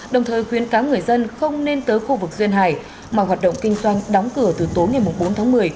đồng thời khuyến cáo người dân không nên tới khu vực duyên hải mà hoạt động kinh doanh đóng cửa từ tối ngày bốn tháng một mươi